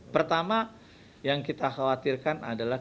pertama yang kita khawatirkan adalah